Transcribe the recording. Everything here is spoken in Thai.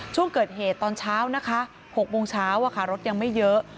ช่วงเกิดเหตุตอนเช้านะคะ๖โมงเช้ารถยังไม่เยอะ